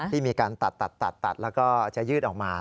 ที่มีการตัดแล้วก็จะยืดออกมา